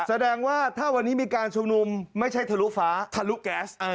แสดงว่าถ้าวันนี้มีการชุมนุมไม่ใช่ทะลุฟ้าทะลุแก๊ส